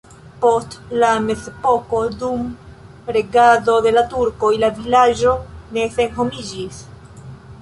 Post la mezepoko dum regado de la turkoj la vilaĝo ne senhomiĝis.